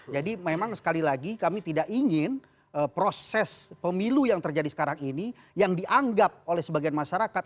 jadi memang sekali lagi kami tidak ingin proses pemilu yang terjadi sekarang ini yang dianggap oleh sebagian masyarakat